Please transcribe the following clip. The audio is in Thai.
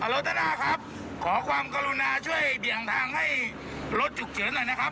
ฮัลโหลด้านหน้าครับขอความกรณาช่วยเบี่ยงทางให้รถจุกเจือนหน่อยนะครับ